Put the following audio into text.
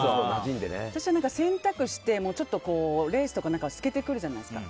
私は洗濯して、レースとか透けてくるじゃないですか。